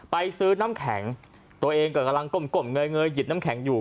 ไปซื้อน้ำแข็งตัวเองก็กำลังก้มเงยหยิบน้ำแข็งอยู่